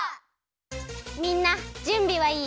みんなじゅんびはいい？